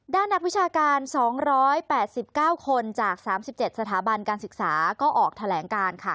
นักวิชาการ๒๘๙คนจาก๓๗สถาบันการศึกษาก็ออกแถลงการค่ะ